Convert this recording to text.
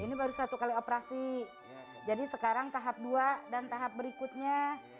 ini baru satu kali operasi jadi sekarang tahap dua dan tahap berikutnya